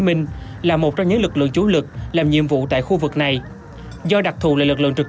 minh là một trong những lực lượng chủ lực làm nhiệm vụ tại khu vực này do đặc thù là lực lượng trực